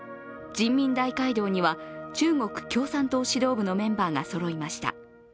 人民大会堂には中国共産党指導部のメンバーがそろいました。